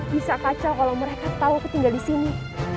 bisa kacau kalau mereka tahu aku tinggal di sini